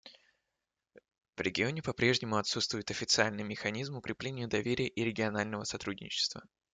В регионе по-прежнему отсутствует официальный механизм укрепления доверия и регионального сотрудничества.